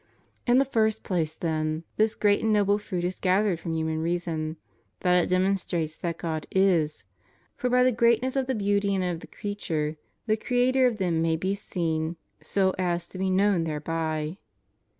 * In the first place, then, this great and noble fruit is gathered from human reason, that it demonstrates that God is; for by the greatness of the beauty and of the creature the Creator of them may be seen so as to be known thereby.